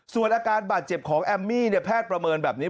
ส่วนอาการบาดเจ็บของแอมมี่แพทย์ประเมินแบบนี้